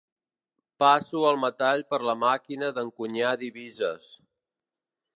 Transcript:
Passo el metall per la màquina d'encunyar divises.